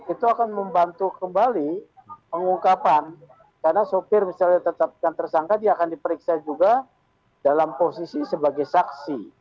itu akan membantu kembali pengungkapan karena sopir misalnya tetapkan tersangka dia akan diperiksa juga dalam posisi sebagai saksi